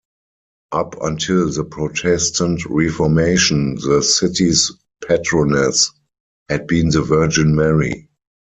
Up until the Protestant Reformation, the city's patroness had been the Virgin Mary.